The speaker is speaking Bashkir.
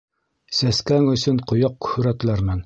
Сәскәң өсөн ҡояҡ һүрәтләрмен...